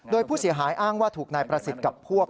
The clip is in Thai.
โดยผู้เสียหายอ้างว่าถูกนายประสิทธิ์กับพวก